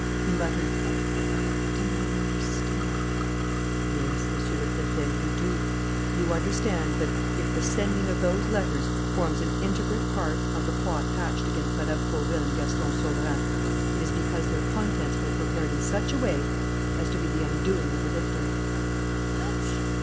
He muttered: "I do not understand " "Yes, Monsieur le Préfet, you do. You understand that, if the sending of those letters forms an integrate part of the plot hatched against Mme. Fauville and Gaston Sauverand, it is because their contents were prepared in such a way as to be the undoing of the victims." "What! What!